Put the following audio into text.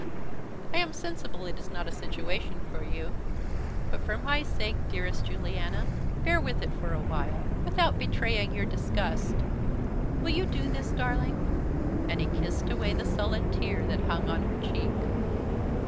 I am sensible it is not a situation for you; but for my sake, dearest Juliana, bear with it for a while, without betraying your disgust. Will you do this, darling?" and he kissed away the sullen tear that hung on her cheek.